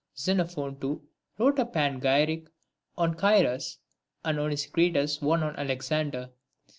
Xenophon, too, wrote a Panegyric on Cyrus, and Onesicritus one on Alexander.